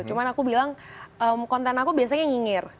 cuma aku bilang konten aku biasanya nyinyir